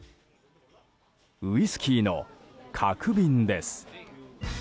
ウイスキーの角瓶です。